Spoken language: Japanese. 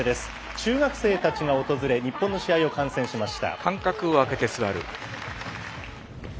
中学生たちが訪れ日本の試合を観戦しました。